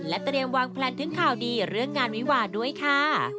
เตรียมวางแพลนถึงข่าวดีเรื่องงานวิวาด้วยค่ะ